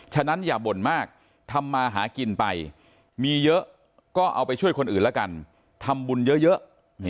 ฉะนั้นอย่าบ่นมากทำมาหากินไปมีเยอะก็เอาไปช่วยคนอื่นละกันทำบุญเยอะ